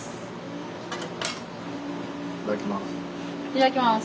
いただきます。